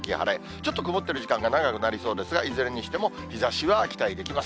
ちょっと曇ってる時間が長くなりそうですが、いずれにしても、日ざしは期待できます。